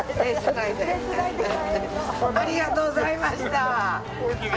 ありがとうございました！おおきに。